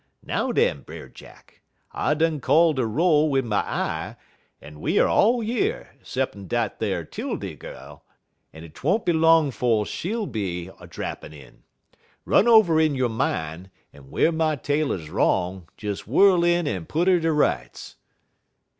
Now den, Brer Jack, I done call de roll wid my eye, en we er all yer 'ceppin' dat ar 'Tildy gal, en 't won't be long 'fo' she'll be a drappin' in. Run over in yo' min', en whar my tale 'uz wrong, des whirl in en put 'er ter rights."